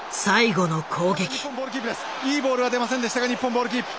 いいボールは出ませんでしたが日本ボールキープ。